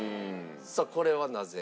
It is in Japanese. さあこれはなぜ？